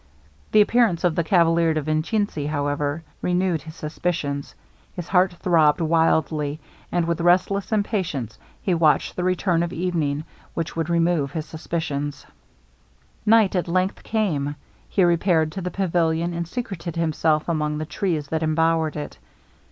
The appearance of the Cavalier de Vincini, however, renewed his suspicions; his heart throbbed wildly, and with restless impatience he watched the return of evening, which would remove his suspence. Night at length came. He repaired to the pavilion, and secreted himself among the trees that embowered it.